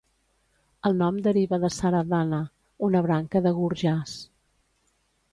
El nom deriva de Saradhana, una branca de Gurjars.